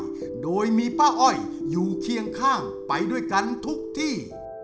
ด้วยโดยมีป้าอ้อยอยู่เคียงข้างไปด้วยกันทุกที่